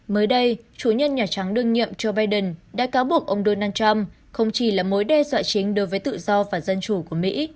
mới đây chủ nhân nhà trắng đương nhiệm joe biden đã cáo buộc ông donald trump không chỉ là mối đe dọa chính đối với tự do và dân chủ của mỹ